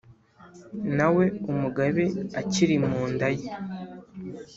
na we umugabe akiri mu nda ye.